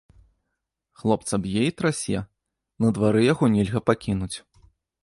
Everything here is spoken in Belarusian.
Хлопца б'е і трасе, на двары яго нельга пакінуць.